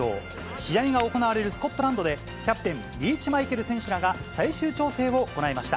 試合が行われるスコットランドで、キャプテン、リーチマイケル選手らが最終調整を行いました。